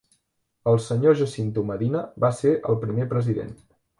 El Sr. Jacinto Medina va ser el primer president.